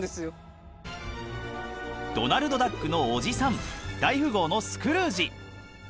ドナルドダックのおじさん大富豪のスクルージ。